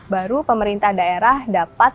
baru pemerintah daerah dapat